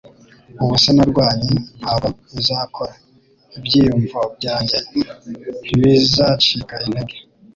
Ubusa narwanye. Ntabwo bizakora. Ibyiyumvo byanjye ntibizacika intege.